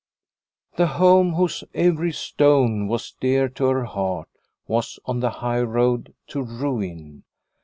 The home whose every stone was dear to her heart was on the high road to ruin.